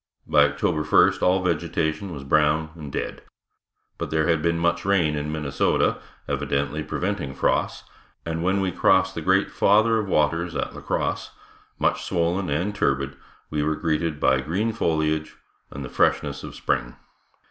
By October first all vegetation was brown and dead. But there had been much rain in Minnesota, evidently preventing frosts, and when we crossed the great Father of Waters at La Crosse, much swollen and turbid, we were greeted by green foliage and the freshness of spring.